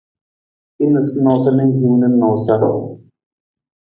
Hin noosanoosa na hiwung na noosanoosa.